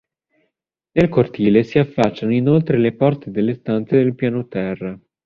Nel cortile si affacciano inoltre le porte delle stanze del piano terra.